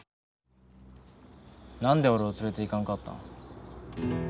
なんで俺を連れて行かんかったん。